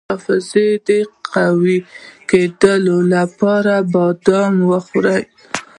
د حافظې د قوي کیدو لپاره بادام وخورئ